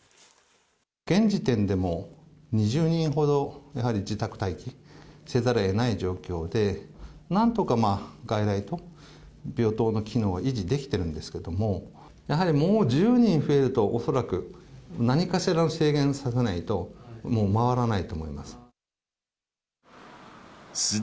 現時点でも２０人ほど、やはり自宅待機せざるをえない状況で、なんとか外来と病棟の機能を維持できてるんですけども、やはりもう１０人増えると、恐らく何かしらの制限させないと、もう回らないと思います。